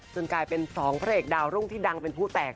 กลายเป็นสองพระเอกดาวรุ่งที่ดังเป็นผู้แตก